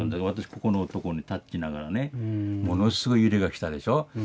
私ここのとこにタッチしながらねものすごい揺れが来たでしょ？